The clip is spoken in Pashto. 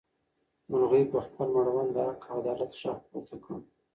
مرغۍ په خپل مړوند د حق او عدالت غږ پورته کړ.